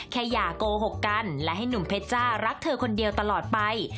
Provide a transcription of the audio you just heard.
อย่าโกหกกันและให้หนุ่มเพชรจ้ารักเธอคนเดียวตลอดไป